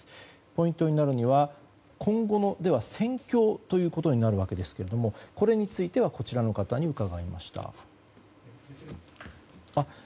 ポイントになるのは今後の戦況ということになるわけですがこれについてはこちらの方に伺いました。